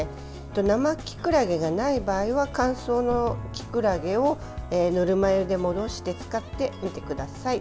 生きくらげがない場合は乾燥のきくらげをぬるま湯で戻して使ってみてください。